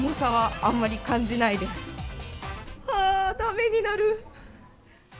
あー、だめになるー。